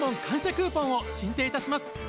クーポンを進呈いたします。